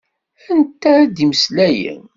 Anta i d-imeslayen?